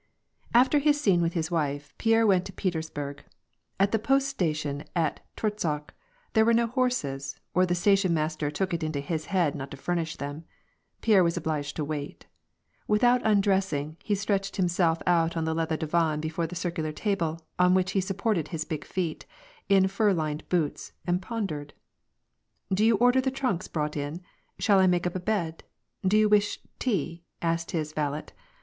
After his scene with his wife, Pierre went to Petersburg. At the post station at Torzhok, there were no horses, or the station master took it into his head not to famish them. Pierre was obliged to wait. Without undressing, he stretched himself out on the leather divan before a circular table, on which he supported his big feet, in fur lined boots, and pon dered. " Do you order the trunks brought in ? Shall I make up a bed ? do you wish tea ?" asked his valet.